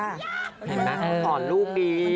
เห็นไหมเพราะหอดลูกดี